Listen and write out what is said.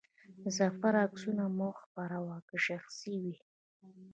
د سفر عکسونه مه خپره وه، که شخصي وي.